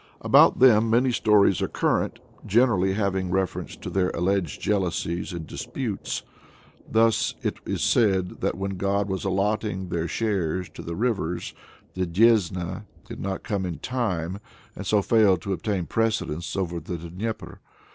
About them many stories are current, generally having reference to their alleged jealousies and disputes. Thus it is said that when God was allotting their shares to the rivers, the Desna did not come in time, and so failed to obtain precedence over the Dnieper.